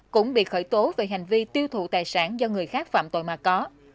cũng bị khởi tố về hành vi tiêu thụ tài sản do người khác phạm tội mà có